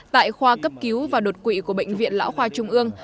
tại khoa cấp cứu và đột quỵ của bệnh viện lão khoa trung ương